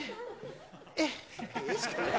えっ？